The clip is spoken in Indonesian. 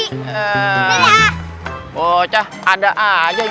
he bocah ada aja ini